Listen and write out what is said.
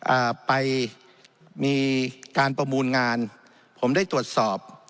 อ่าไปมีการประมูลงานผมได้ตรวจสอบ